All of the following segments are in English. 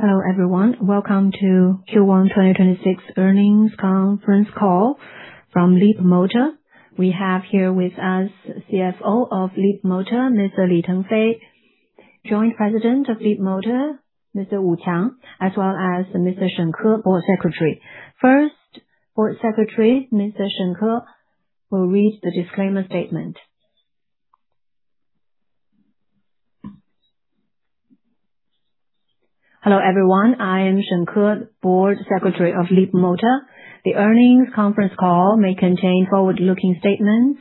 Hello, everyone. Welcome to Q1 2026 earnings conference call from Leapmotor. We have here with us CFO of Leapmotor, Mr. Li Tengfei. Joint-President of Leapmotor, Mr. Wu Qiang, as well as Mr. Shen Ke, Board Secretary. First, Board Secretary Mr. Shen Ke will read the disclaimer statement. Hello, everyone. I am Shen Ke, Board Secretary of Leapmotor. The earnings conference call may contain forward-looking statements,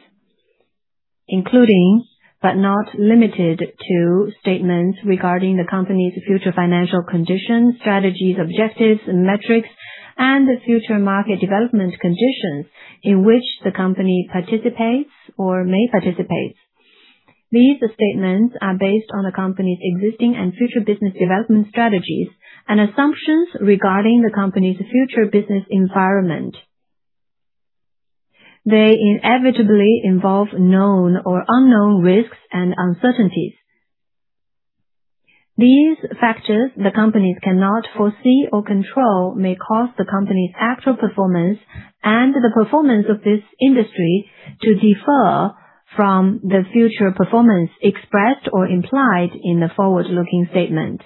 including, but not limited to, statements regarding the company's future financial conditions, strategies, objectives and metrics, and the future market development conditions in which the company participates or may participate. These statements are based on the company's existing and future business development strategies and assumptions regarding the company's future business environment. They inevitably involve known or unknown risks and uncertainties. These factors the companies cannot foresee or control may cause the company's actual performance and the performance of this industry to differ from the future performance expressed or implied in the forward-looking statement.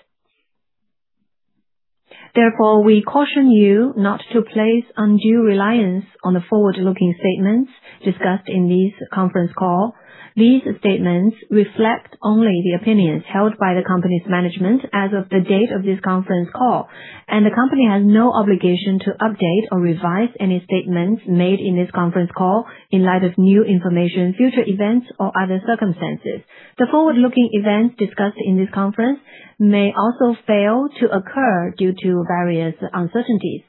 Therefore, we caution you not to place undue reliance on the forward-looking statements discussed in this conference call. These statements reflect only the opinions held by the company's management as of the date of this conference call, and the company has no obligation to update or revise any statements made in this conference call in light of new information, future events or other circumstances. The forward-looking events discussed in this conference may also fail to occur due to various uncertainties.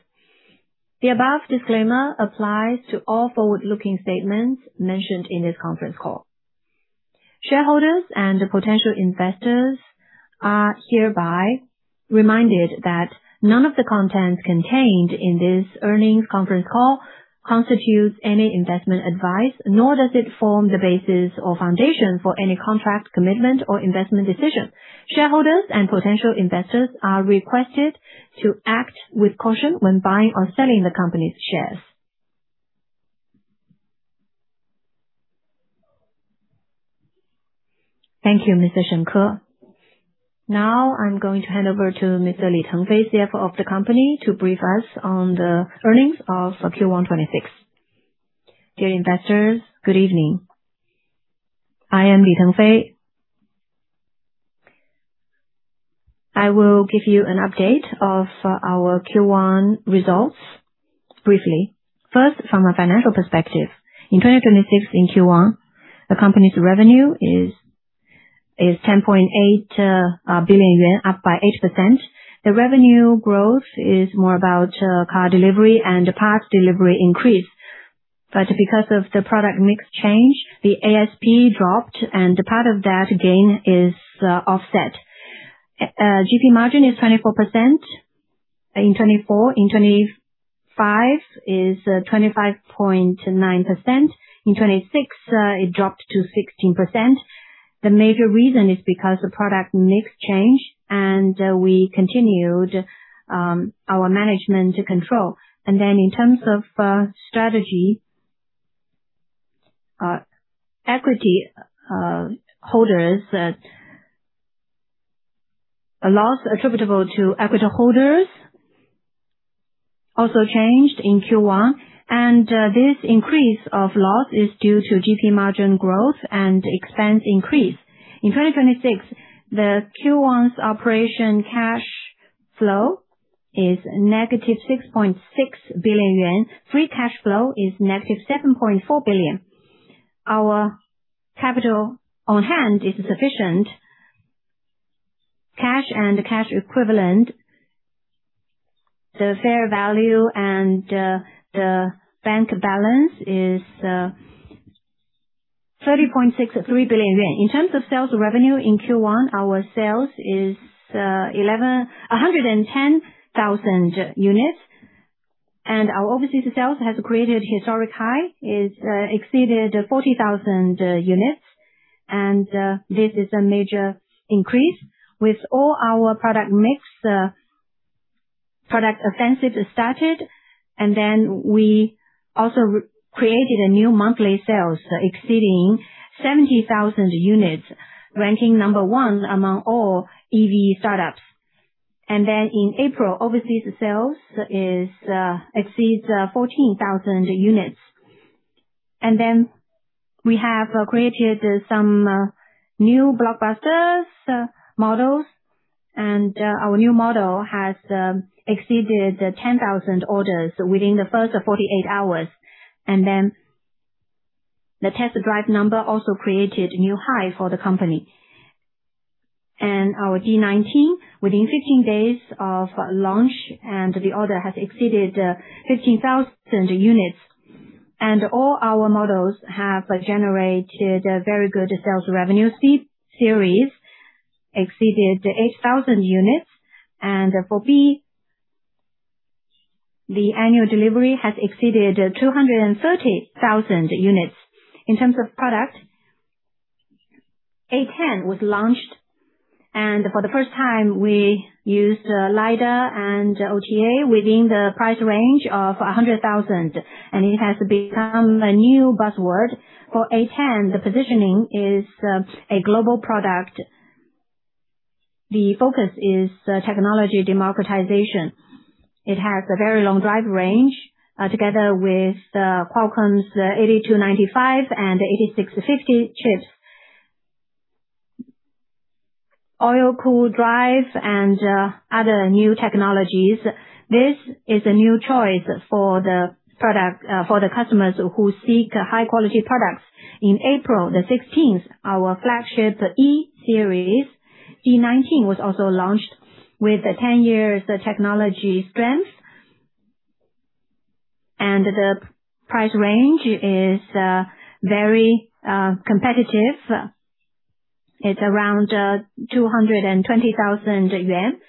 The above disclaimer applies to all forward-looking statements mentioned in this conference call. Shareholders and potential investors are hereby reminded that none of the content contained in this earnings conference call constitutes any investment advice, nor does it form the basis or foundation for any contract, commitment or investment decision. Shareholders and potential investors are requested to act with caution when buying or selling the company's shares. Thank you, Mr. Shen Ke. I'm going to hand over to Mr. Li Tengfei, CFO of the company, to brief us on the earnings of Q1 2026. Dear investors, good evening. I am Li Tengfei. I will give you an update of our Q1 results briefly. First, from a financial perspective. In 2026, in Q1, the company's revenue is 10.8 billion yuan, up by 8%. The revenue growth is more about car delivery and parts delivery increase. Because of the product mix change, the ASP dropped and part of that gain is offset. GP margin is 24% in 2024. In 2025 is 25.9%. In 2026, it dropped to 16%. The major reason is because the product mix change and we continued our management to control. In terms of strategy, equity holders that a loss attributable to equity holders also changed in Q1, and this increase of loss is due to GP margin growth and expense increase. In 2026, the Q1's operation cash flow is -6.6 billion yuan. Free cash flow is -7.4 billion. Our capital on hand is sufficient. Cash and cash equivalent, the fair value and the bank balance is 30.63 billion yuan. In terms of sales revenue in Q1, our sales is 110,000 units. Our overseas sales has created historic high, is exceeded 40,000 units. This is a major increase with all our product mix, product offensive started. We also created a new monthly sales exceeding 70,000 units, ranking number one among all EV startups. In April, overseas sales is exceeds 14,000 units. We have created some new blockbusters, models. Our new model has exceeded 10,000 orders within the first 48 hours. The test drive number also created new high for the company. Our D19, within 15 days of launch, and the order has exceeded 15,000 units. All our models have generated a very good sales revenue. C-series exceeded 8,000 units. For B-series, the annual delivery has exceeded 230,000 units. In terms of product, A10 was launched, for the first time, we used LiDAR and OTA within the price range of 100,000, it has become a new buzzword. For A10, the positioning is a global product. The focus is technology democratization. It has a very long drive range, together with Qualcomm's 8295 and 8650 chips. Oil-cooled drive and other new technologies. This is a new choice for the product, for the customers who seek high quality products. In April 16th, our flagship E series, E19, was also launched with 10 years technology strength. The price range is very competitive. It's around 220,000 yuan.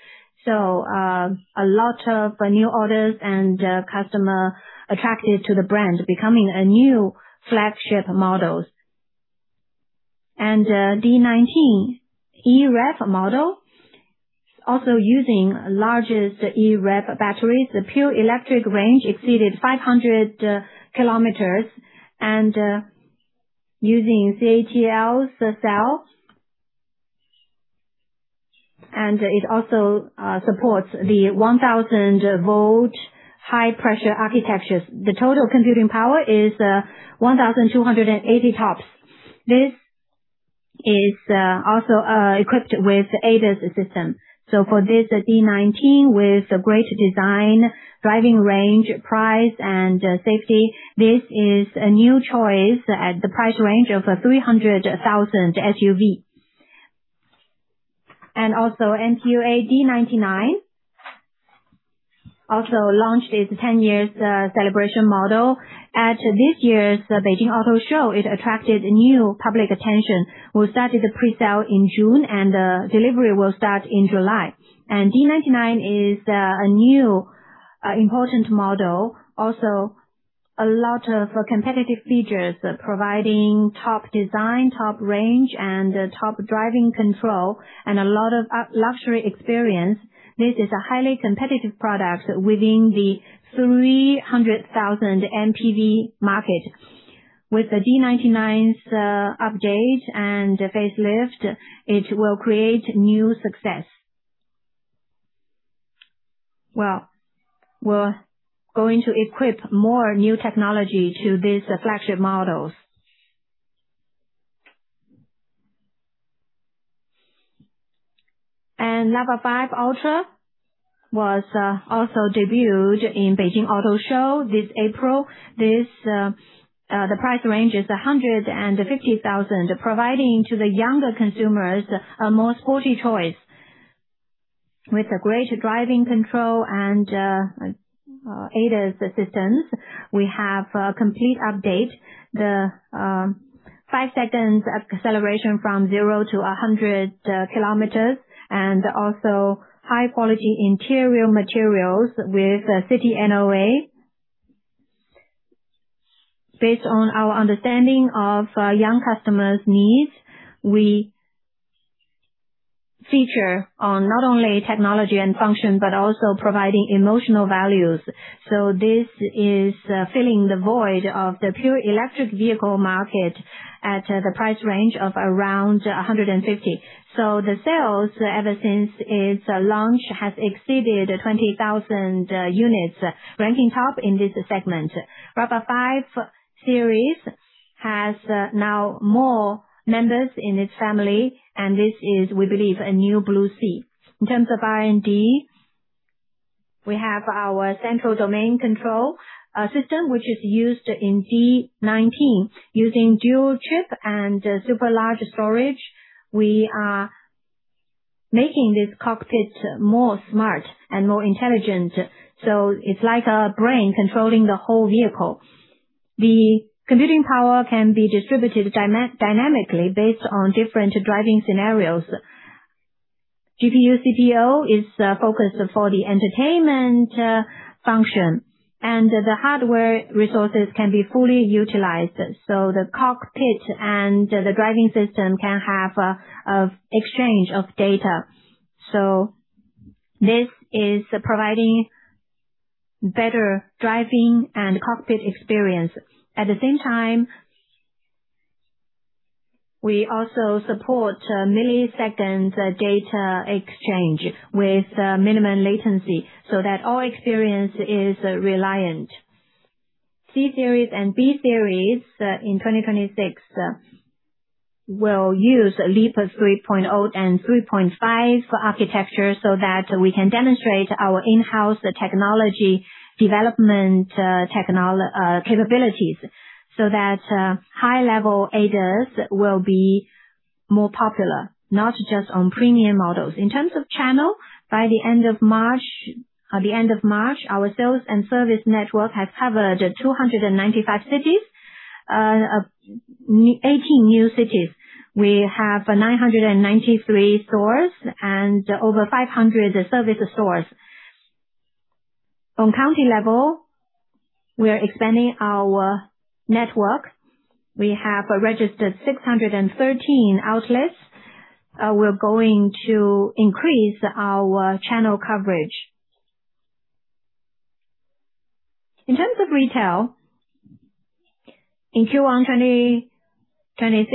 A lot of new orders and customer attracted to the brand, becoming a new flagship models. D19 EREV model also using largest EREV batteries. The pure electric range exceeded 500km and using CATL's cell. It also supports the 1000V high-voltage architectures. The total computing power is 1280 TOPS. This is also equipped with ADAS system. For this D19 with great design, driving range, price and safety, this is a new choice at the price range of 300,000 SUV. Also, D99 also launched its 10 years celebration model. At this year's Beijing Auto Show, it attracted new public attention. We started the presale in June, and delivery will start in July. D99 is a new important model. Also a lot of competitive features providing top design, top range and top driving control and a lot of luxury experience. This is a highly competitive product within the SUV 100,000 MPV market. With the D99's update and facelift, it will create new success. Well, we're going to equip more new technology to these flagship models. B05 Ultra was also debuted in Beijing Auto Show this April. This the price range is 150,000, providing to the younger consumers a more sporty choice. With a great driving control and a ADAS assistance, we have a complete update. The 5 seconds acceleration from 0 to 100 km and also high quality interior materials with city NOA. Based on our understanding of young customers' needs, we feature on not only technology and function, but also providing emotional values. This is filling the void of the pure electric vehicle market at the price range of around 150. The sales ever since its launch has exceeded 20,000 units, ranking top in this segment. B-series has now more members in its family, and this is, we believe, a new blue sea. In terms of R&D, we have our central domain control system, which is used in D19. Using dual chip and super large storage, we are making this cockpit more smart and more intelligent. It's like a brain controlling the whole vehicle. The computing power can be distributed dynamically based on different driving scenarios. GPU CPU is focused for the entertainment function, and the hardware resources can be fully utilized. The cockpit and the driving system can have exchange of data. This is providing better driving and cockpit experience. At the same time, we also support milliseconds data exchange with minimum latency so that all experience is reliant. C-series and B-series in 2026 will use LEAP 3.0 and 3.5 architecture so that we can demonstrate our in-house technology development capabilities, so that high-level ADAS will be more popular, not just on premium models. In terms of channel, by the end of March, our sales and service network has covered 295 cities. 18 new cities. We have 993 stores and over 500 service stores. On county level, we are expanding our network. We have registered 613 outlets. We're going to increase our channel coverage. In terms of retail, in Q1 2026,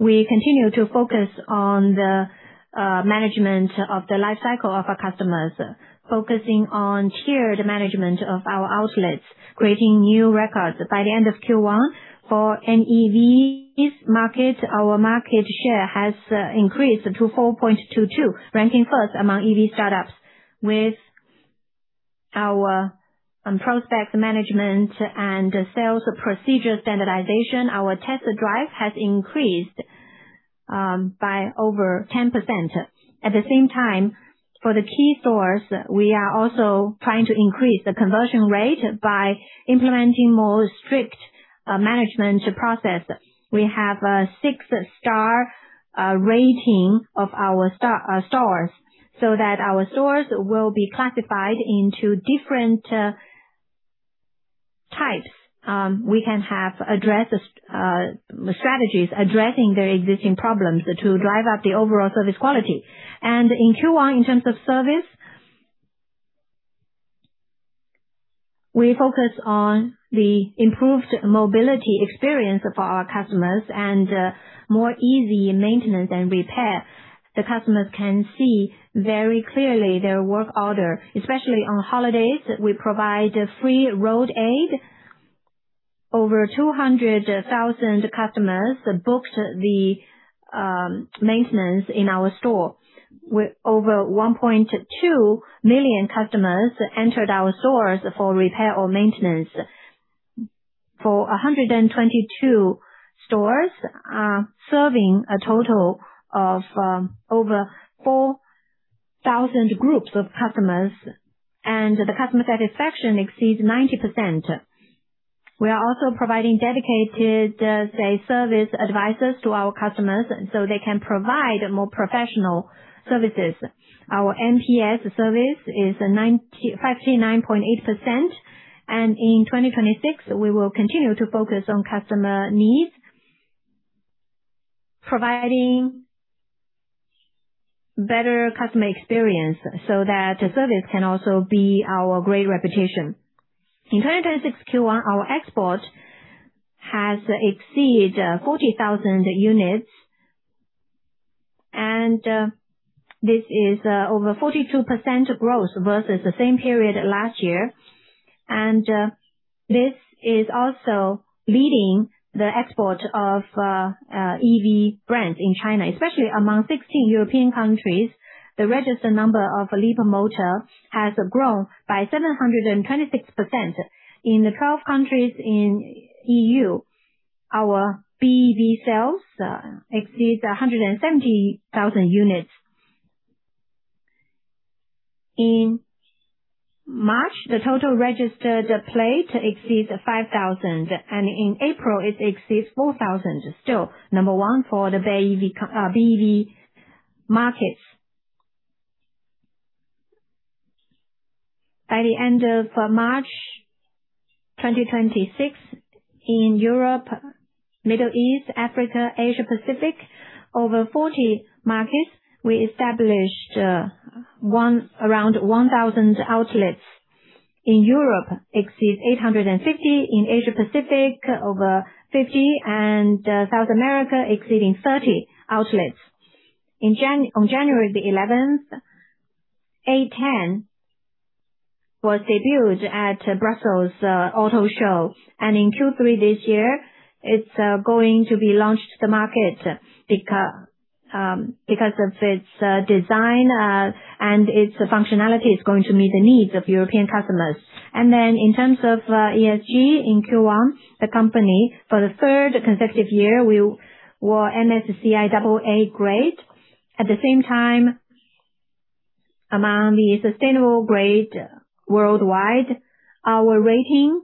we continue to focus on the management of the life cycle of our customers, focusing on tiered management of our outlets, creating new records. By the end of Q1, for NEVs market, our market share has increased to 4.22, ranking first among EV startups. With our prospect management and sales procedure standardization, our test drive has increased by over 10%. At the same time, for the key stores, we are also trying to increase the conversion rate by implementing more strict management process. We have a six-star rating of our stores, so that our stores will be classified into different types. We can have strategies addressing their existing problems to drive up the overall service quality. In Q1, in terms of service, we focus on the improved mobility experience for our customers and more easy maintenance and repair. The customers can see very clearly their work order. Especially on holidays, we provide free road aid. Over 200,000 customers booked the maintenance in our store. Over 1.2 million customers entered our stores for repair or maintenance. For 122 stores, serving a total of over 4,000 groups of customers, and the customer satisfaction exceeds 90%. We are also providing dedicated, say, service advisors to our customers, so they can provide more professional services. Our NPS service is 95.98%. In 2026, we will continue to focus on customer needs. Providing better customer experience so that service can also be our great reputation. In 2026 Q1, our export has exceeded 40,000 units, and this is over 42% growth versus the same period last year. This is also leading the export of EV brands in China, especially among 16 European countries. The registered number of Leapmotor has grown by 726%. In the 12 countries in EU, our BEV sales exceed 170,000 units. In March, the total registered plate exceeds 5,000, and in April, it exceeds 4,000. Still number one for the BEV markets. By the end of March 2026, in Europe, Middle East, Africa, Asia Pacific, over 40 markets, we established around 1,000 outlets. In Europe, exceeds 850. In Asia Pacific, over 50. South America exceeding 30 outlets. On January the 11th, A10 was debuted at Brussels Auto Show, and in Q3 this year, it's going to be launched to the market because of its design and its functionality is going to meet the needs of European customers. In terms of ESG, in Q1, the company, for the third consecutive year, we were MSCI AA grade. At the same time, among the sustainable grade worldwide, our rating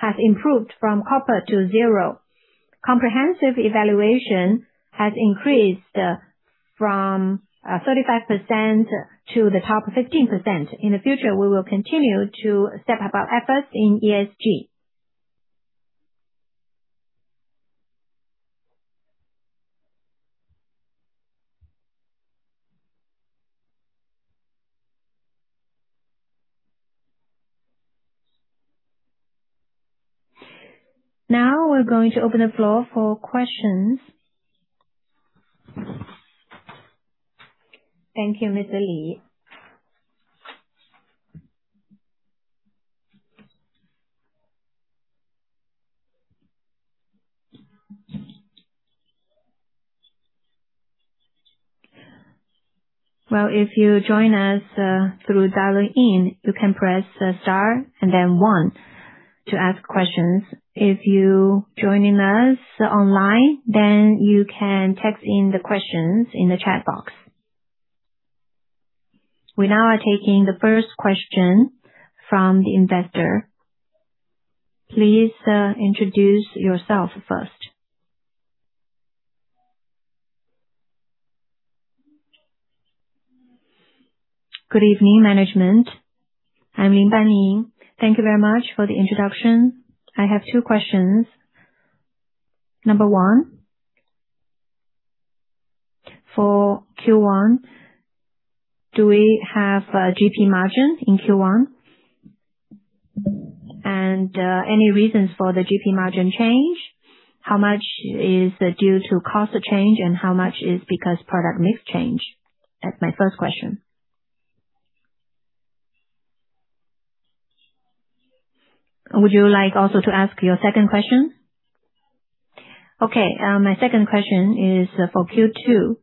has improved from copper to zero. Comprehensive evaluation has increased from 35% to the top 15%. In the future, we will continue to step up our efforts in ESG. Now we're going to open the floor for questions. Thank you, Mr. Li. Well, if you join us through dialing in, you can press star and then one to ask questions. If you joining us online, then you can text in the questions in the chat box. We now are taking the first question from the investor. Please introduce yourself first. Good evening, management. I'm Lin Bani. Thank you very much for the introduction. I have two questions. Number 1, for Q1, do we have a GP margin in Q1? Any reasons for the GP margin change? How much is due to cost change, and how much is because product mix change? That's my first question. Would you like also to ask your second question? Okay. My second question is for Q2.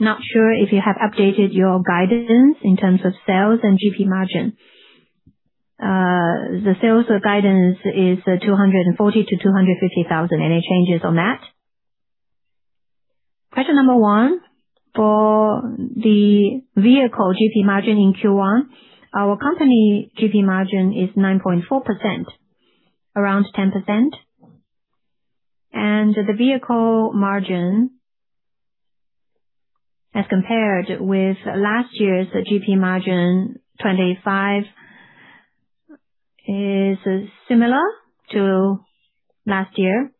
Not sure if you have updated your guidance in terms of sales and GP margin. The sales guidance is 240,000-250,000. Any changes on that? Question number 1, for the vehicle GP margin in Q1, our company GP margin is 9.4%, around 10%. The vehicle margin as compared with last year's GP margin, 2025, is similar to last year.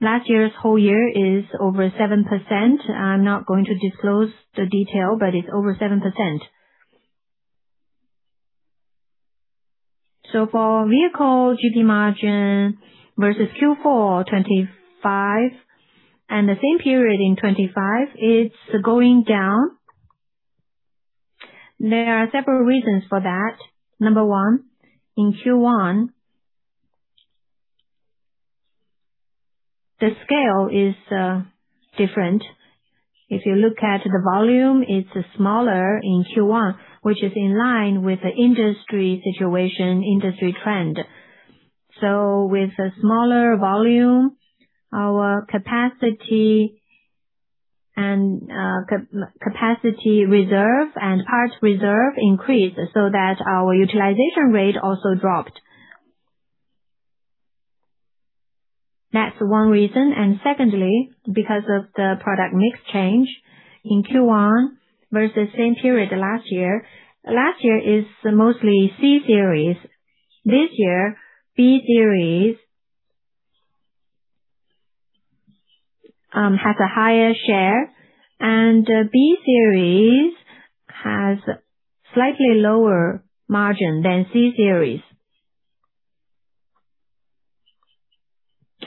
Last year's whole year is over 7%. I am not going to disclose the detail, but it is over 7%. For vehicle GP margin versus Q4 2025 and the same period in 2025, it is going down. There are several reasons for that. Number 1, in Q1, the scale is different. If you look at the volume, it's smaller in Q1, which is in line with the industry situation, industry trend. With a smaller volume, our capacity and capacity reserve and parts reserve increased so that our utilization rate also dropped. That's one reason. Secondly, because of the product mix change in Q1 versus same period last year. Last year is mostly C-series. This year, B-series has a higher share, and B-series has slightly lower margin than C-series.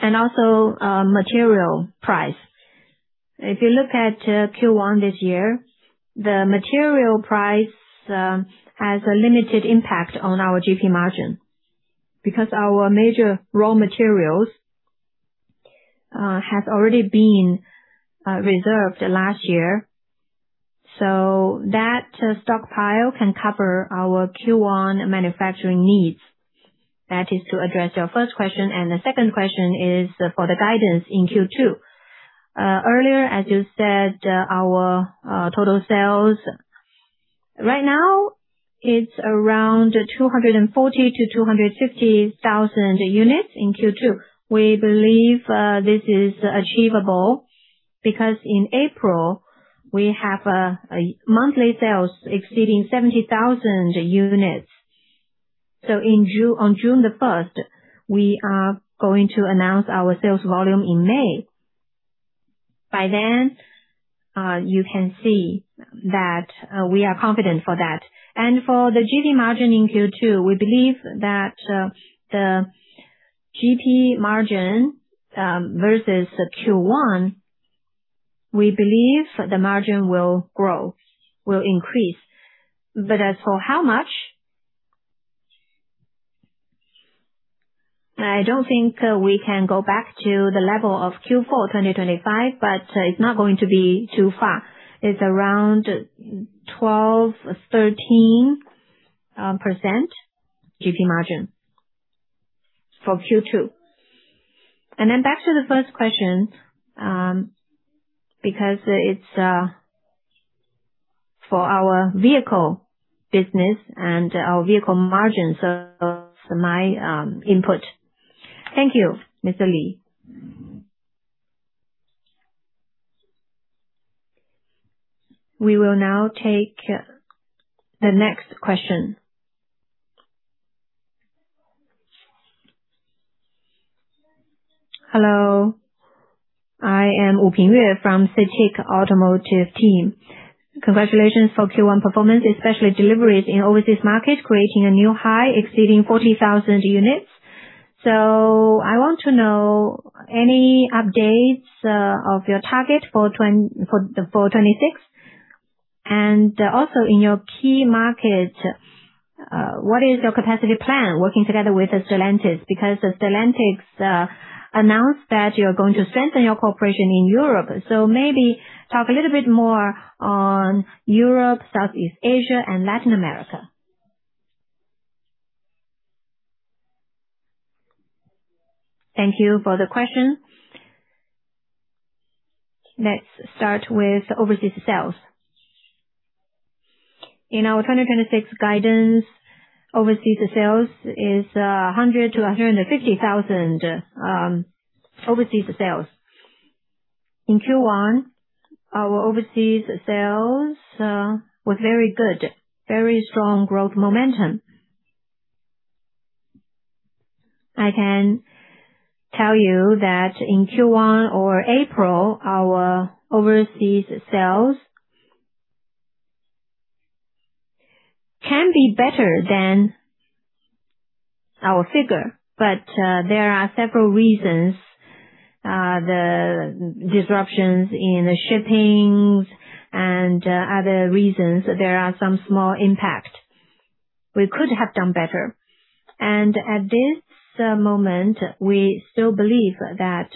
Also, material price. If you look at Q1 this year, the material price has a limited impact on our GP margin because our major raw materials has already been reserved last year. That stockpile can cover our Q1 manufacturing needs. That is to address your first question. The second question is for the guidance in Q2. Earlier, as you said, our total sales right now is around 240,000-250,000 units in Q2. We believe this is achievable because in April we have monthly sales exceeding 70,000 units. On June 1st, we are going to announce our sales volume in May. By then, you can see that we are confident for that. For the GP margin in Q2, we believe that the GP margin versus Q1, we believe the margin will grow, will increase. As for how much, I don't think we can go back to the level of Q4 2025, but it's not going to be too far. It's around 12%-13% GP margin for Q2. Back to the first question, because it's for our vehicle business and our vehicle margins are my input. Thank you, Mr. Li. We will now take the next question. Hello, I am [Yin Xinchi] from CITIC automotive team. Congratulations for Q1 performance, especially deliveries in overseas market, creating a new high exceeding 40,000 units. I want to know any updates of your target for the full 2026. In your key markets, what is your capacity plan working together with Stellantis? Stellantis announced that you're going to strengthen your cooperation in Europe. Maybe talk a little bit more on Europe, Southeast Asia and Latin America. Thank you for the question. Let's start with overseas sales. In our 2026 guidance, overseas sales is 100,000-150,000 overseas sales. In Q1, our overseas sales was very good, very strong growth momentum. I can tell you that in Q1 or April, our overseas sales can be better than our figure. There are several reasons. The disruptions in the shippings and other reasons, there are some small impact. We could have done better. At this moment, we still believe that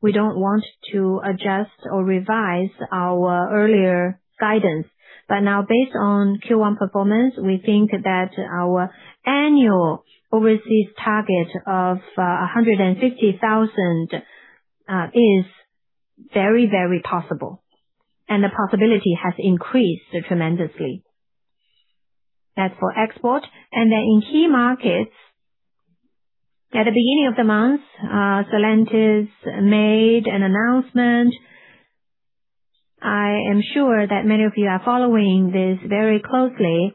we don't want to adjust or revise our earlier guidance. Now, based on Q1 performance, we think that our annual overseas target of 150,000 is very, very possible, and the possibility has increased tremendously. That's for export. In key markets, at the beginning of the month, Stellantis made an announcement. I am sure that many of you are following this very closely.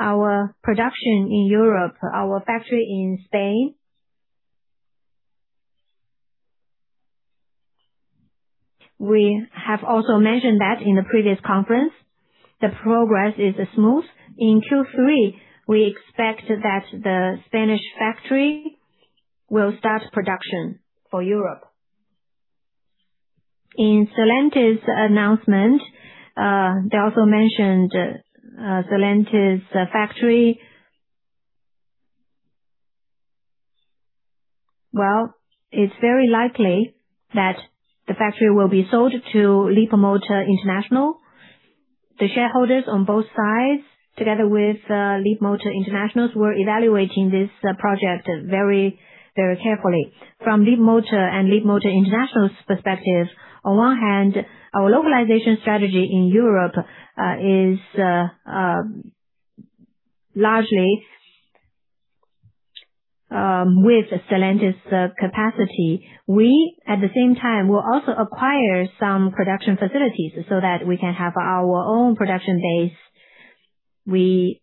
Our production in Europe, our factory in Spain. We have also mentioned that in the previous conference. The progress is smooth. In Q3, we expect that the Spanish factory will start production for Europe. In Stellantis' announcement, they also mentioned Stellantis' factory. Well, it's very likely that the factory will be sold to Leapmotor International. The shareholders on both sides, together with Leapmotor International, were evaluating this project very, very carefully. From Leapmotor and Leapmotor International's perspective, on one hand, our localization strategy in Europe is largely with Stellantis' capacity. We, at the same time, will also acquire some production facilities so that we can have our own production base. We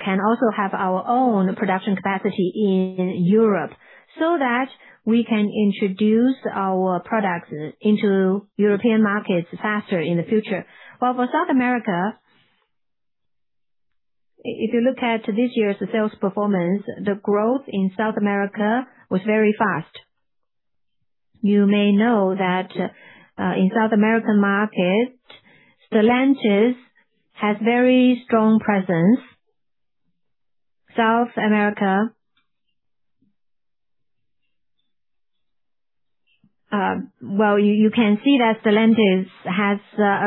can also have our own production capacity in Europe so that we can introduce our products into European markets faster in the future. For South America, if you look at this year's sales performance, the growth in South America was very fast. You may know that in South American market, Stellantis has very strong presence. South America, you can see that Stellantis has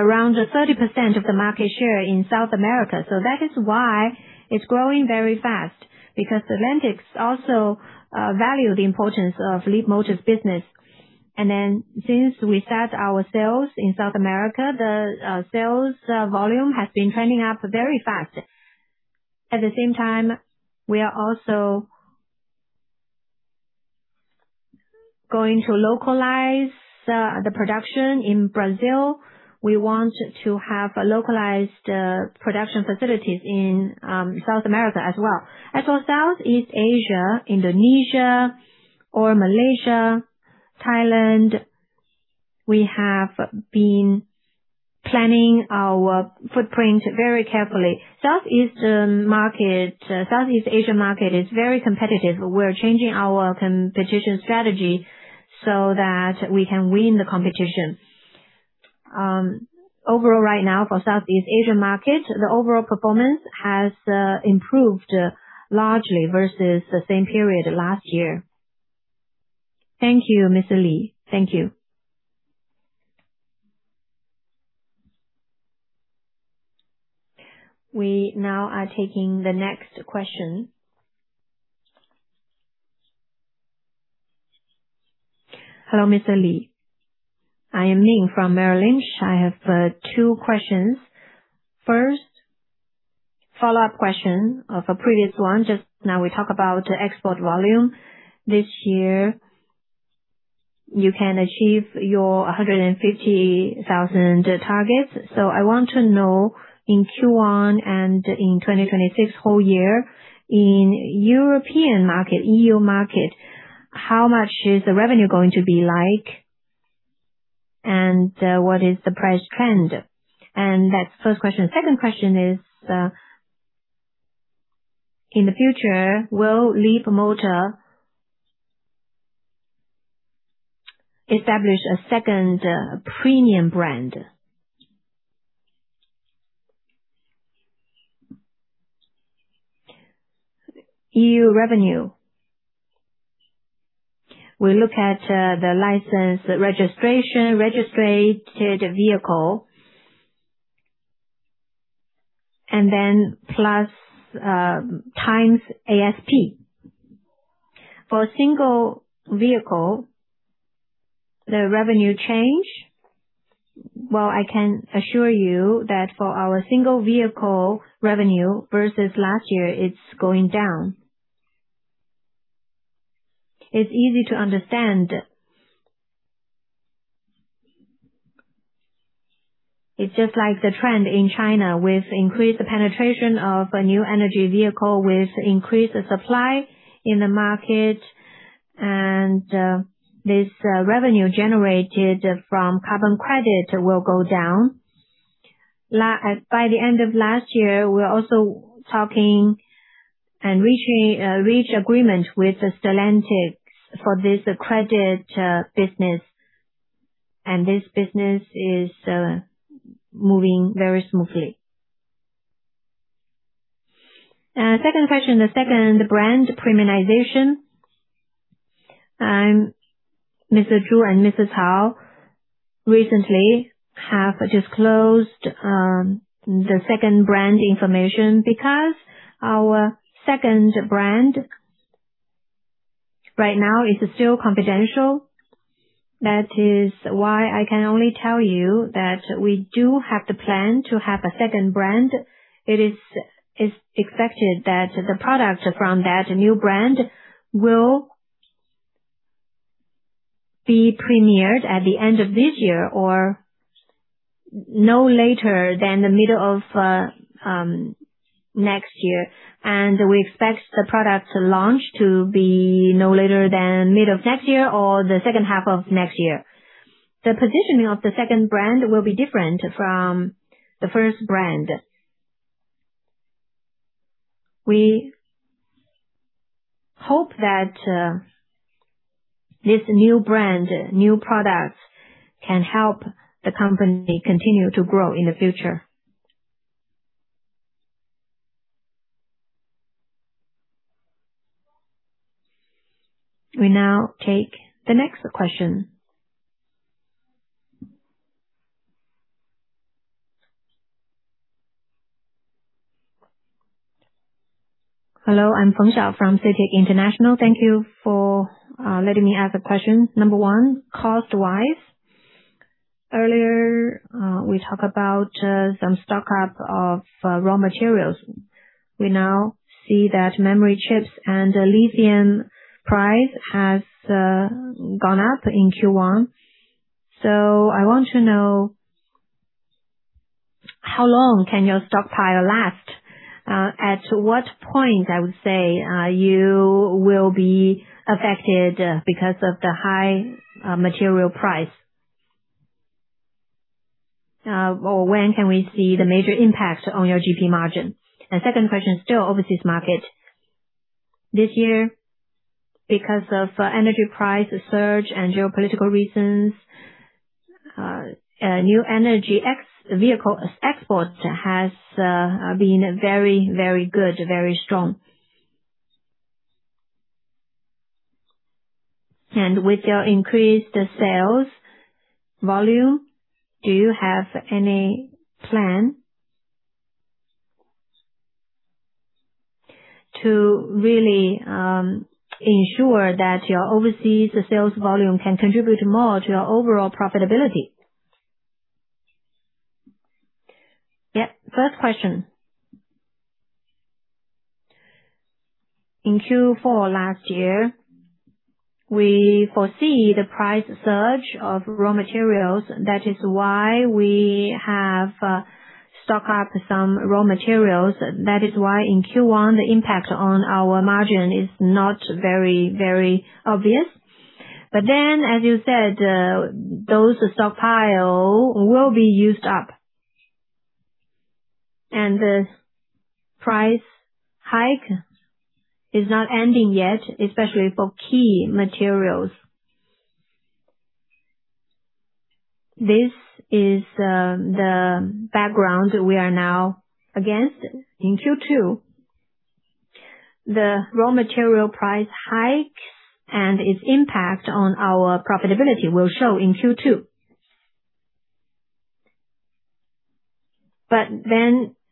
around 30% of the market share in South America. That is why it's growing very fast because Stellantis also value the importance of Leapmotor's business. Since we set our sales in South America, the sales volume has been trending up very fast. At the same time, we are also going to localize the production in Brazil. We want to have localized production facilities in South America as well. Southeast Asia, Indonesia or Malaysia, Thailand, we have been planning our footprint very carefully. Southeast Asia market is very competitive. We're changing our competition strategy so that we can win the competition. Overall, right now for Southeast Asia market, the overall performance has improved largely versus the same period last year. Thank you, Mr. Li. Thank you. We now are taking the next question. Hello, Mr. Li. I am Ming from Merrill Lynch. I have two questions. First, follow-up question of a previous one. Just now we talk about export volume. This year, you can achieve your 150,000 targets. I want to know, in Q1 and in 2026 whole year, in European market, EU market, how much is the revenue going to be like, and what is the price trend? That's first question. Second question is, in the future, will Leapmotor establish a second premium brand? EU revenue. We look at the license registration, registered vehicle. Then plus times ASP. For single vehicle, the revenue change. Well, I can assure you that for our single vehicle revenue versus last year, it's going down. It's easy to understand. It's just like the trend in China with increased penetration of a New Energy Vehicle, with increased supply in the market. This revenue generated from carbon credit will go down. By the end of last year, we were also talking and reaching agreement with Stellantis for this credit business. This business is moving very smoothly. Second question, the second brand premiumization. Mr. Zhu Jiangming and Mrs. Hao recently have disclosed the second brand information because our second brand right now is still confidential. That is why I can only tell you that we do have the plan to have a second brand. It is expected that the product from that new brand will be premiered at the end of this year or no later than the middle of next year. We expect the product launch to be no later than mid of next year or the second half of next year. The positioning of the second brand will be different from the first brand. We hope that this new brand, new products can help the company continue to grow in the future. We now take the next question. Hello, I'm Feng Xiao from CITIC International. Thank you for letting me ask a question. Number 1, cost-wise. Earlier, we talk about some stock-up of raw materials. We now see that memory chips and lithium price has gone up in Q1. I want to know, how long can your stockpile last? At what point, I would say, you will be affected because of the high material price? When can we see the major impact on your GP margin? The second question is still overseas market. This year, because of energy price surge and geopolitical reasons, new energy vehicle exports has been very good, very strong. With your increased sales volume, do you have any plan to really ensure that your overseas sales volume can contribute more to your overall profitability? Yeah. First question. In Q4 last year, we foresee the price surge of raw materials. That is why we have stock up some raw materials. That is why in Q1, the impact on our margin is not very, very obvious. As you said, those stockpile will be used up. The price hike is not ending yet, especially for key materials. This is the background we are now against in Q2. The raw material price hikes and its impact on our profitability will show in Q2.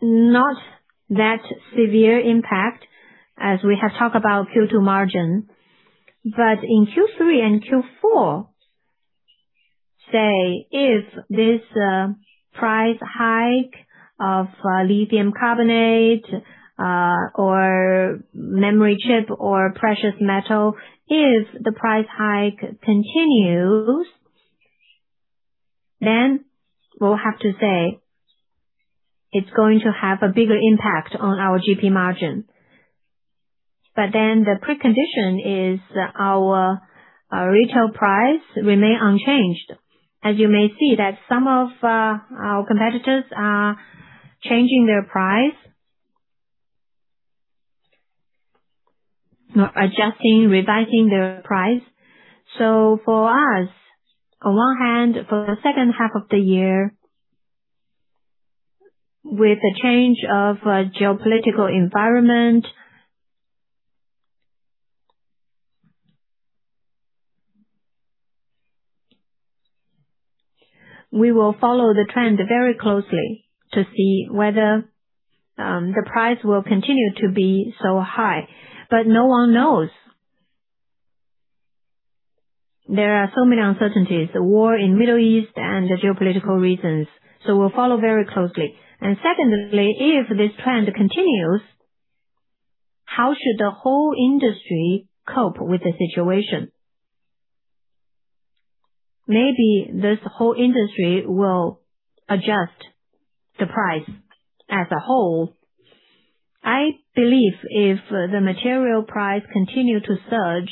Not that severe impact as we have talked about Q2 margin. In Q3 and Q4, say, if this price hike of lithium carbonate, or memory chip or precious metal, if the price hike continues, then we'll have to say it's going to have a bigger impact on our GP margin. The precondition is our retail price remain unchanged. As you may see that some of our competitors are changing their price. Not adjusting, revising their price. For us, on one hand, for the second half of the year, with the change of geopolitical environment. We will follow the trend very closely to see whether the price will continue to be so high. No one knows. There are so many uncertainties, the war in Middle East and the geopolitical reasons. We'll follow very closely. Secondly, if this trend continues, how should the whole industry cope with the situation? Maybe this whole industry will adjust the price as a whole. I believe if the material price continue to surge,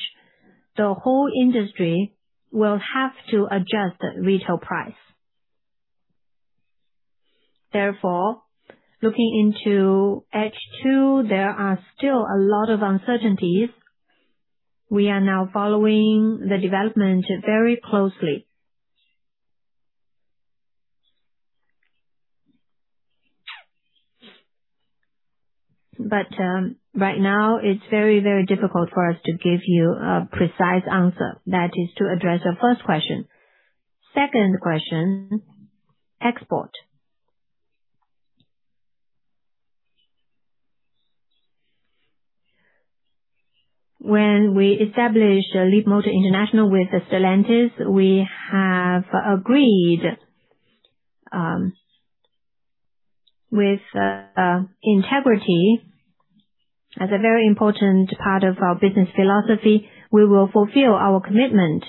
the whole industry will have to adjust the retail price. Therefore, looking into H2, there are still a lot of uncertainties. We are now following the development very closely. Right now it's very, very difficult for us to give you a precise answer. That is to address your 1st question. Second question, export. When we established Leapmotor International with Stellantis, we have agreed with integrity as a very important part of our business philosophy. We will fulfill our commitment,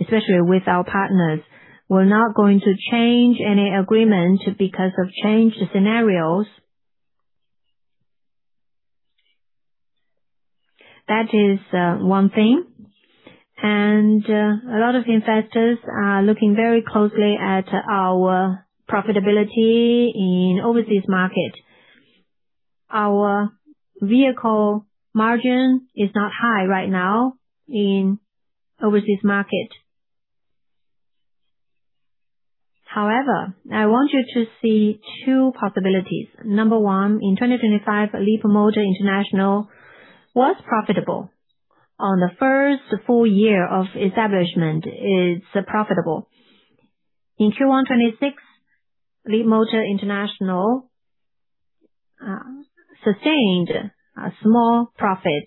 especially with our partners. We're not going to change any agreement because of changed scenarios. That is one thing, a lot of investors are looking very closely at our profitability in overseas market. Our vehicle margin is not high right now in overseas market. However, I want you to see two possibilities. Number 1, in 2025, Leapmotor International was profitable. On the first full year of establishment, it's profitable. In Q1 2026, Leapmotor International sustained a small profit.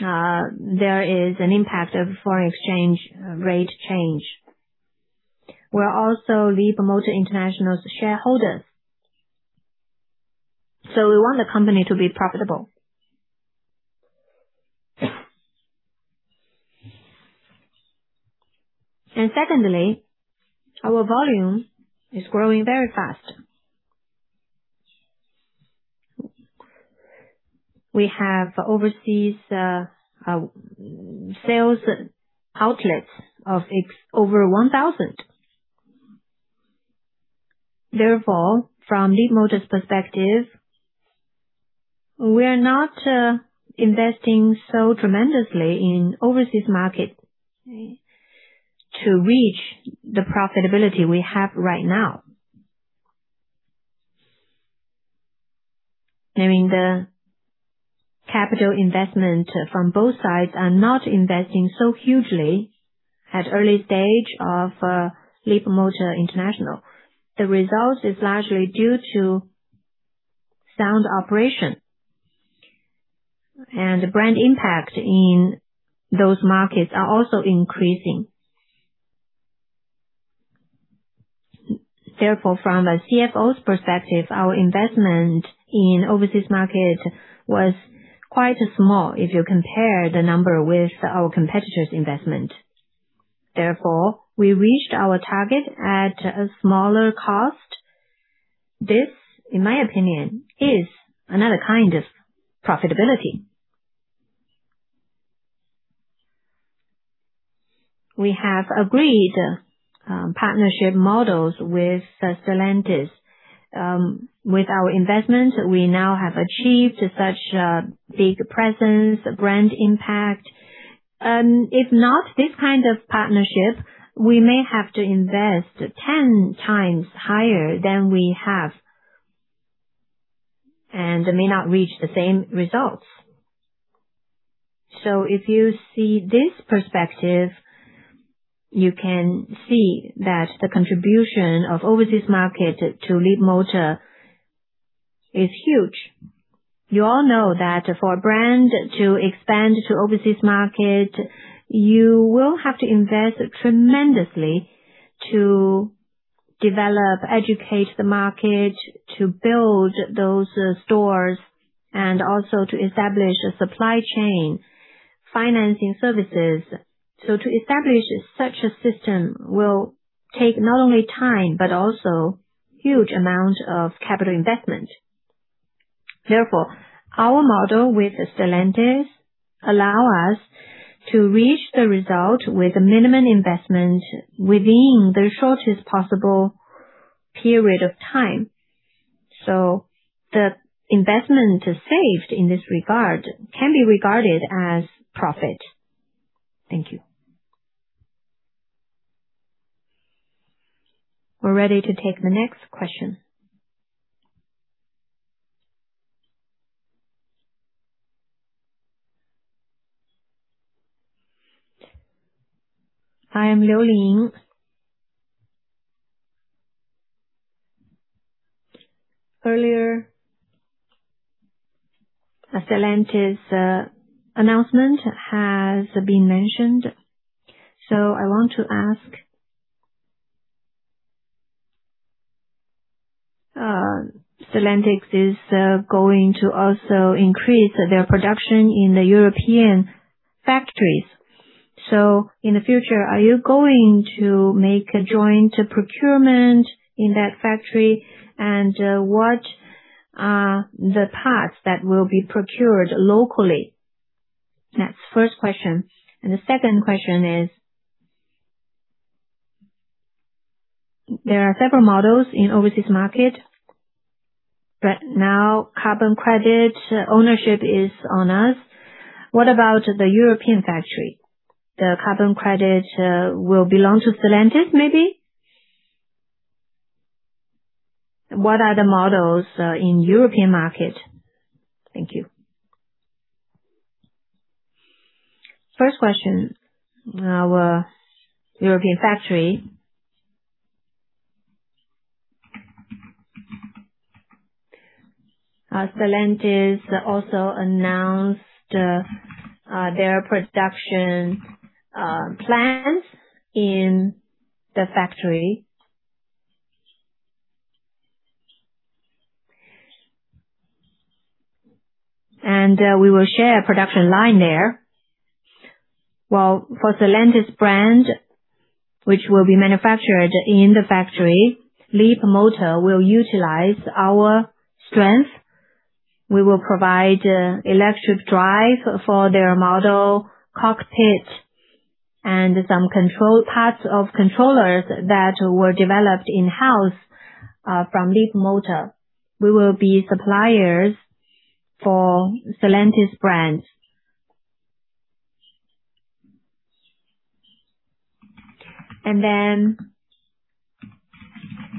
There is an impact of foreign exchange rate change. We're also Leapmotor International shareholders, we want the company to be profitable. Secondly, our volume is growing very fast. We have overseas sales outlets of over 1,000. Therefore, from Leapmotor's perspective, we're not investing so tremendously in overseas markets to reach the profitability we have right now. I mean, the capital investment from both sides are not investing so hugely at early stage of Leapmotor International. The result is largely due to sound operation, and brand impact in those markets are also increasing. Therefore, from a CFO's perspective, our investment in overseas market was quite small if you compare the number with our competitors' investment. Therefore, we reached our target at a smaller cost. This, in my opinion, is another kind of profitability. We have agreed partnership models with Stellantis. With our investment, we now have achieved such a big presence, brand impact. If not this kind of partnership, we may have to invest 10x higher than we have and may not reach the same results. If you see this perspective, you can see that the contribution of overseas market to Leapmotor is huge. You all know that for a brand to expand to overseas market, you will have to invest tremendously to develop, educate the market, to build those stores, and also to establish a supply chain, financing services. To establish such a system will take not only time, but also huge amount of capital investment. Therefore, our model with Stellantis allow us to reach the result with minimum investment within the shortest possible period of time. The investment saved in this regard can be regarded as profit. Thank you. We're ready to take the next question. I am Liu Ling. Earlier, Stellantis announcement has been mentioned. I want to ask, Stellantis is going to also increase their production in the European factories. In the future, are you going to make a joint procurement in that factory? What are the parts that will be procured locally? That's first question. The second question is There are several models in overseas market, but now carbon credit ownership is on us. What about the European factory? The carbon credit will belong to Stellantis, maybe. What are the models in European market? Thank you. First question. Our European factory. Stellantis also announced their production plans in the factory. We will share a production line there. Well, for Stellantis brand, which will be manufactured in the factory, Leapmotor will utilize our strength. We will provide electric drive for their model cockpit and some control parts of controllers that were developed in-house from Leapmotor.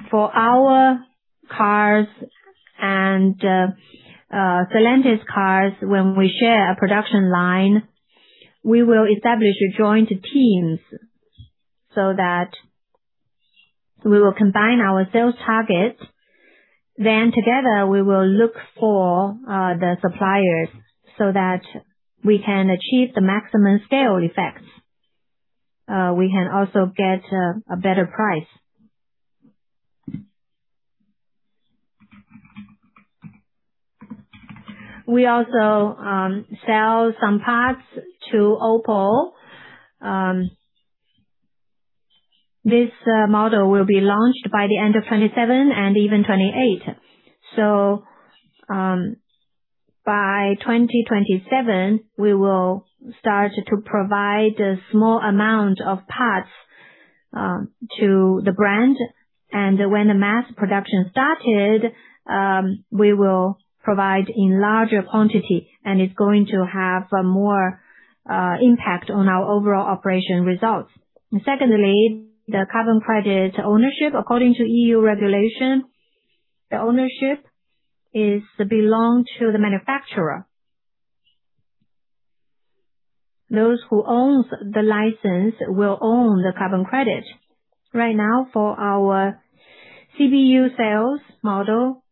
For our cars and Stellantis cars, when we share a production line, we will establish joint teams so that we will combine our sales targets. Together we will look for the suppliers so that we can achieve the maximum scale effects. We can also get a better price. We also sell some parts to Opel. This model will be launched by the end of 27 and even 28. By 2027 we will start to provide a small amount of parts to the brand. When the mass production started, we will provide in larger quantity, and it's going to have more impact on our overall operation results. Secondly, the carbon credit ownership. According to EU regulation, the ownership is belong to the manufacturer. Those who owns the license will own the carbon credit. Right now for our CBU sales model,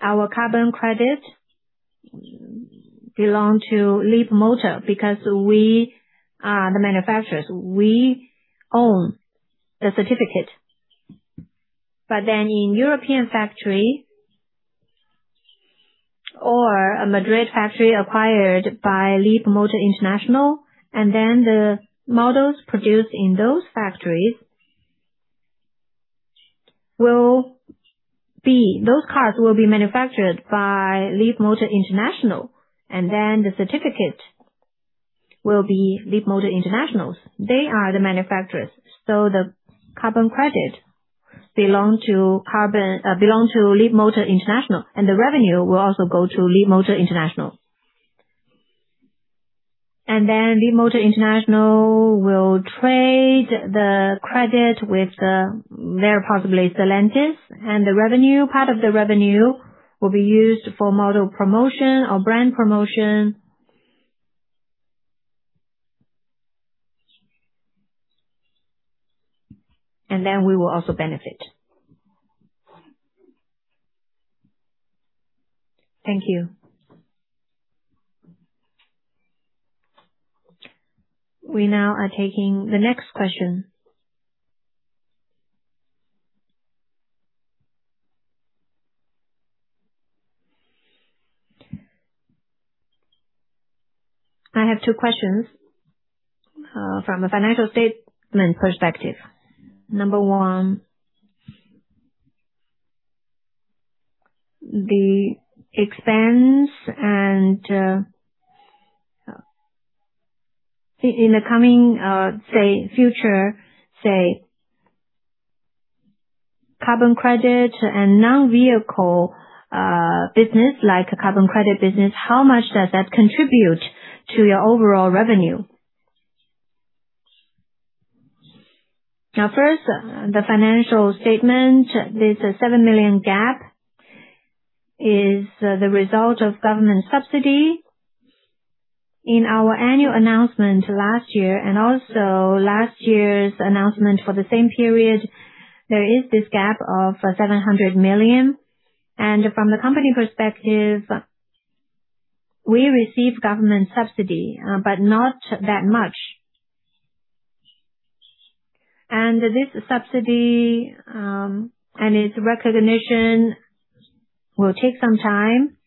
our carbon credit belong to Leapmotor because we are the manufacturers. We own the certificate. In European factory or a Madrid factory acquired by Leapmotor International, and then Those cars will be manufactured by Leapmotor International and then the certificate will be Leapmotor International's. They are the manufacturers, the carbon credit belong to Leapmotor International, and the revenue will also go to Leapmotor International. Leapmotor International will trade the credit with the very possibly Stellantis. The revenue, part of the revenue will be used for model promotion or brand promotion. We will also benefit. Thank you. We now are taking the next question. I have two questions from a financial statement perspective. Number 1, the expense in the coming future, carbon credit and non-vehicle business like carbon credit business, how much does that contribute to your overall revenue? First, the financial statement. There's a 7 million gap. It is the result of government subsidy. In our annual announcement last year, and also last year's announcement for the same period, there is this gap of 700 million. From the company perspective, we receive government subsidy, but not that much. This subsidy, and its recognition will take some time.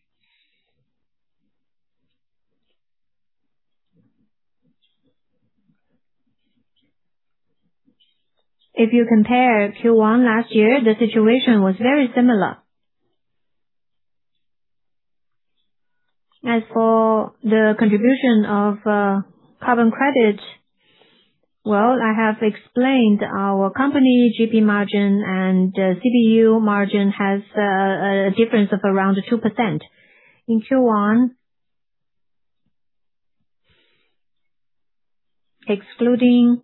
If you compare Q1 last year, the situation was very similar. As for the contribution of carbon credit, well, I have explained our company GP margin and CBU margin has a difference of around 2%. In Q1, excluding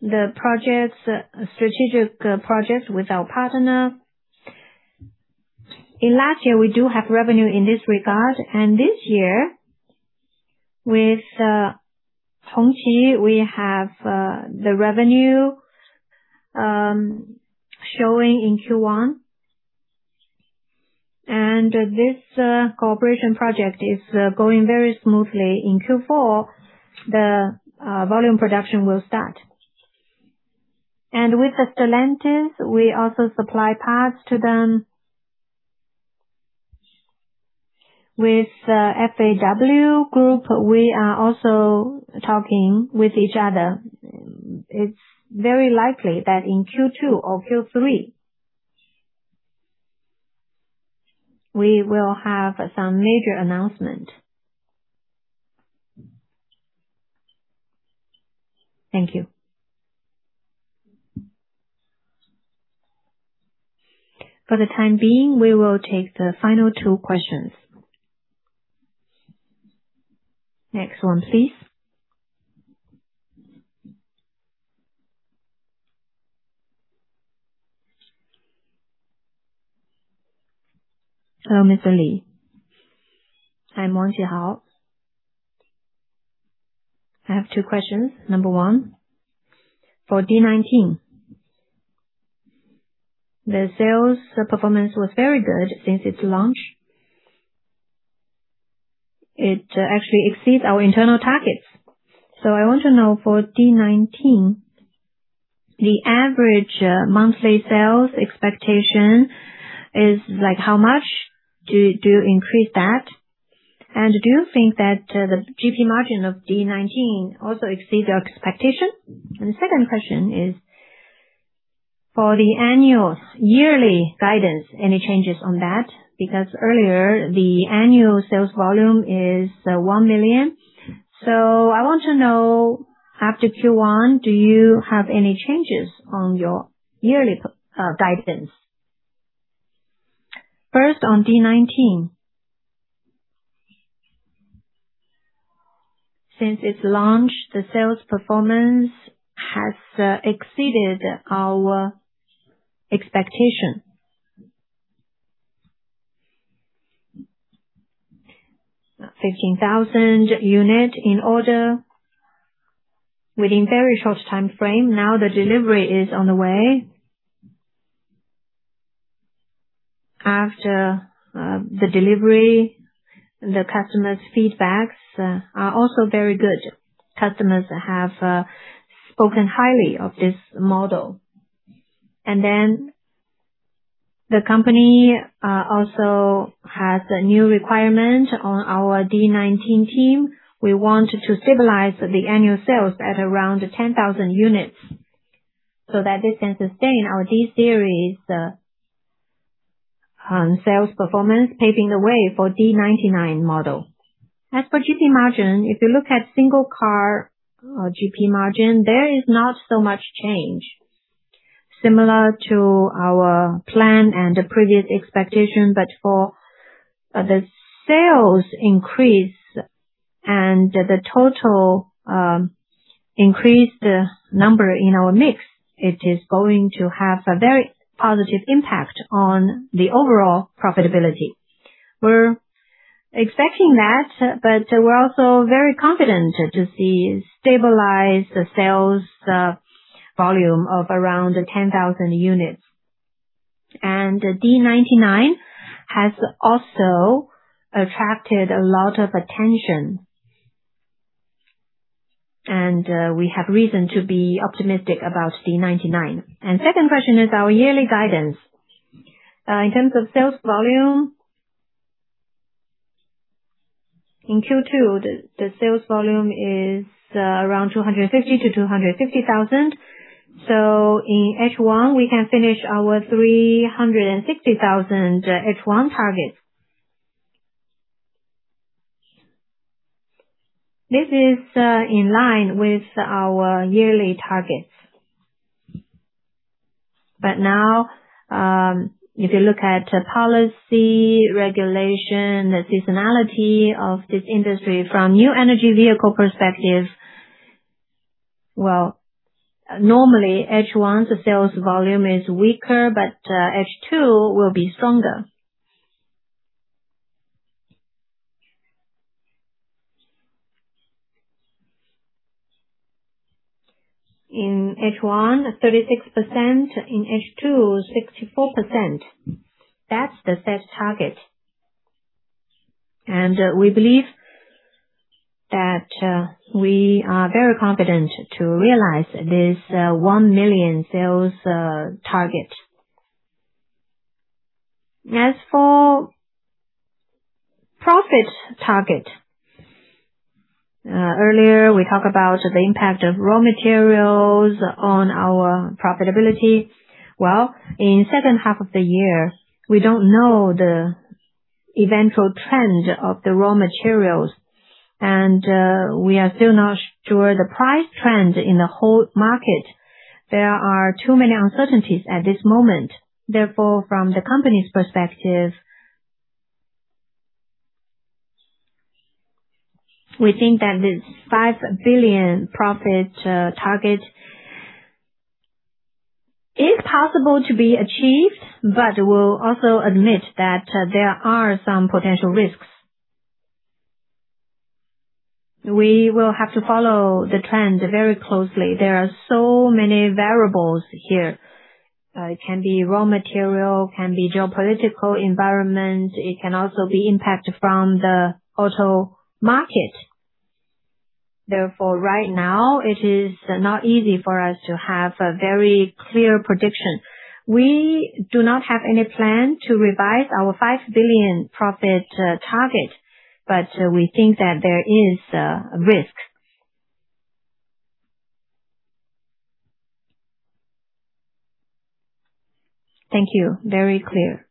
the projects, strategic projects with our partner. In last year, we do have revenue in this regard, and this year, with Hongqi, we have the revenue showing in Q1. This cooperation project is going very smoothly. In Q4, the volume production will start. With Stellantis, we also supply parts to them. With FAW Group, we are also talking with each other. It's very likely that in Q2 or Q3 we will have some major announcement. Thank you. For the time being, we will take the final two questions. Next one, please. Hello, Mr. Li. I'm Wang Shi-Hao. I have two questions. Number one, for D19, the sales performance was very good since its launch. It actually exceeds our internal targets. I want to know for D19, the average monthly sales expectation is like, how much? Do you increase that? Do you think that the GP margin of D19 also exceeds your expectation? The second question is for the annual yearly guidance, any changes on that? Because earlier, the annual sales volume is 1 million. I want to know after Q1, do you have any changes on your yearly guidance? First, on D19. Since its launch, the sales performance has exceeded our expectation. 15,000 unit in order within very short time frame. Now the delivery is on the way. After the delivery, the customer's feedbacks are also very good. Customers have spoken highly of this model. The company also has a new requirement on our D19 team. We want to stabilize the annual sales at around 10,000 units so that this can sustain our D-series sales performance, paving the way for D99 model. As for GP margin, if you look at single car or GP margin, there is not so much change. Similar to our plan and the previous expectation, for the sales increase and the total increased number in our mix, it is going to have a very positive impact on the overall profitability. We're expecting that, we're also very confident to see stabilized sales volume of around 10,000 units. D99 has also attracted a lot of attention. We have reason to be optimistic about C99. 2nd question is our yearly guidance. In terms of sales volume, in Q2, the sales volume is around 250,000. In H1, we can finish our 360,000 H1 target. This is in line with our yearly targets. Now, if you look at policy, regulation, the seasonality of this industry from new energy vehicle perspective, normally, H1's sales volume is weaker, H2 will be stronger. In H1, 36%. In H2, 64%. That's the sales target. We believe that we are very confident to realize this 1 million sales target. As for profit target. Earlier, we talk about the impact of raw materials on our profitability. In second half of the year, we don't know the eventual trend of the raw materials, and we are still not sure the price trend in the whole market. There are too many uncertainties at this moment. From the company's perspective, we think that this 5 billion profit target is possible to be achieved, but we will also admit that there are some potential risks. We will have to follow the trend very closely. There are so many variables here. It can be raw material, can be geopolitical environment, it can also be impact from the auto market. Right now, it is not easy for us to have a very clear prediction. We do not have any plan to revise our 5 billion profit target, but we think that there is risk. Thank you. Very clear.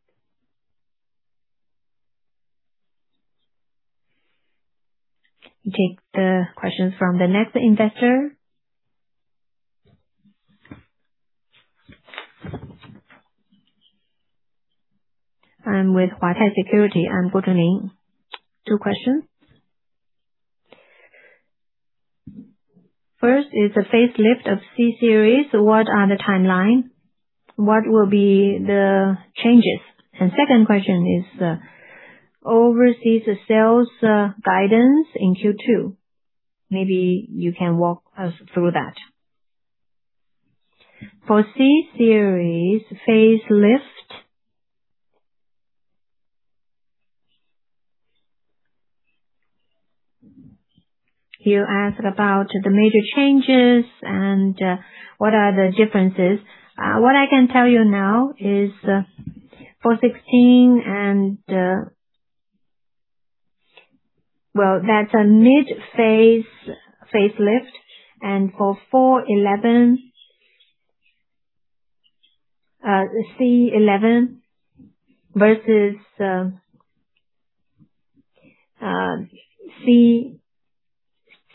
We take the question from the next investor. I'm with Huatai Securities. I'm Gu Ning. Two questions. First is the facelift of C-series. What are the timeline? What will be the changes? Second question is, overseas sales guidance in Q2. Maybe you can walk us through that. For C-series facelift You asked about the major changes and what are the differences. What I can tell you now is, for C16 and Well, that's a mid-phase facelift. For C11 versus C16,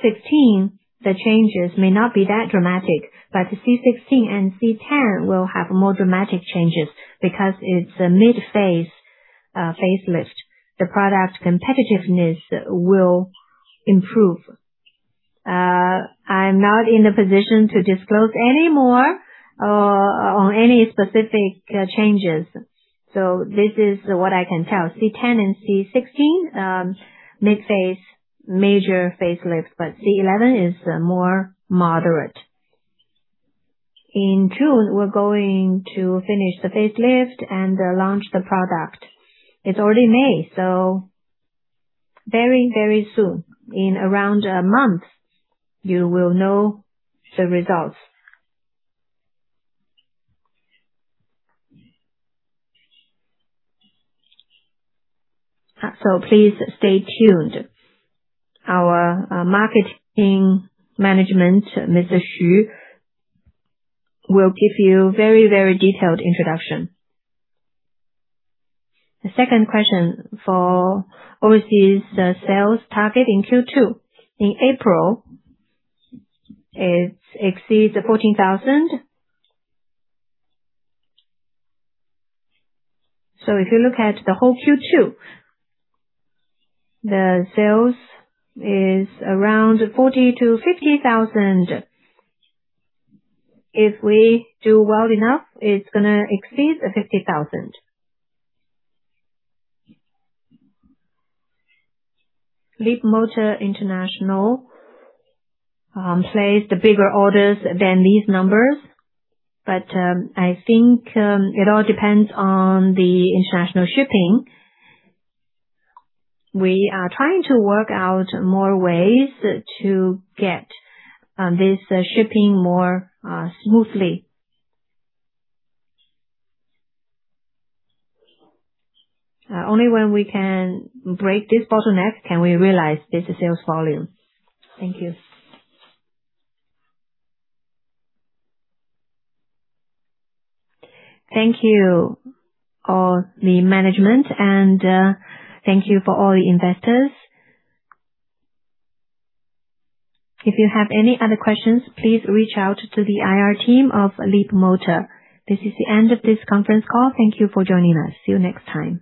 the changes may not be that dramatic. C16 and C10 will have more dramatic changes because it's a mid-phase facelift. The product competitiveness will improve. I'm not in the position to disclose any more on any specific changes. This is what I can tell. C10 and C16, mid-phase, major facelift, but C11 is more moderate. In June, we're going to finish the facelift and launch the product. It's already May, so very, very soon, in around a month, you will know the results. Please stay tuned. Our marketing management, Mr. Xu, will give you very, very detailed introduction. The second question for overseas sales target in Q2. In April, it's exceeds 14,000. If you look at the whole Q2, the sales is around 40,000-50,000. If we do well enough, it's gonna exceed 50,000. Leapmotor International placed bigger orders than these numbers, but I think it all depends on the international shipping. We are trying to work out more ways to get this shipping more smoothly. Only when we can break this bottleneck can we realize this sales volume. Thank you. Thank you, all the management, and thank you for all the investors. If you have any other questions, please reach out to the IR team of Leapmotor. This is the end of this conference call. Thank you for joining us. See you next time.